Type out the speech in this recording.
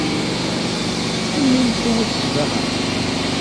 Am win tewwet tbaɣa.